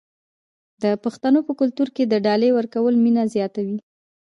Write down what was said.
د پښتنو په کلتور کې د ډالۍ ورکول مینه زیاتوي.